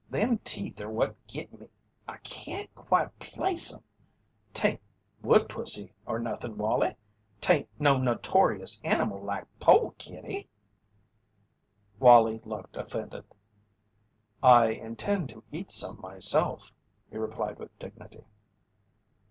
Them teeth are what git me. I can't quite place 'em. 'Tain't wood pussy or nothin', Wallie? 'Tain't no notorious animal like pole kitty?" Wallie looked offended. "I intend to eat some myself," he replied with dignity.